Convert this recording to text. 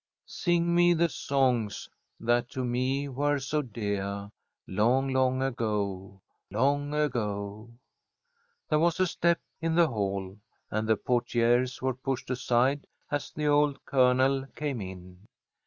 "'Sing me the songs that to me were so deah, Long, long ago, long ago!'" There was a step in the hall, and the portières were pushed aside as the old Colonel came in.